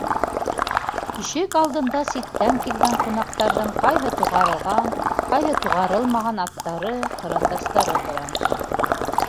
Ишек алдында ситтән килгән ҡунаҡтарҙың ҡайһы туғарылған, ҡайһы туғарылмаған аттары, кырандастары тора.